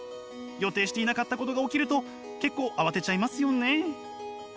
予定していなかったことが起きると結構慌てちゃいますよね。